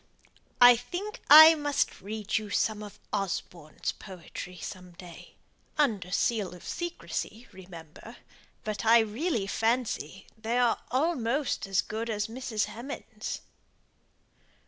I think I must read you some of Osborne's poetry some day; under seal of secrecy, remember; but I really fancy they are almost as good as Mrs. Hemans'."